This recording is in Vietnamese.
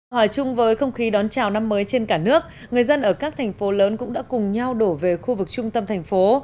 hòa chung với không khí đón chào năm mới trên cả nước người dân ở các thành phố lớn cũng đã cùng nhau đổ về khu vực trung tâm thành phố